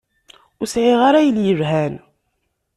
Ur sɛiɣ ara ayen yelhan.